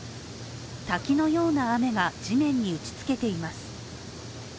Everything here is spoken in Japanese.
滝のような雨が地面に打ちつけています。